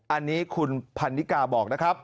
อันนี้คุณพันนิกาบอกนะครับ